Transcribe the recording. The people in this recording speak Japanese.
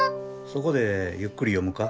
そこでゆっくり読むか？